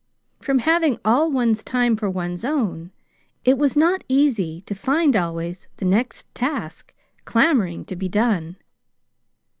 From having all one's time for one's own, it was not easy to find always the next task clamoring to be done.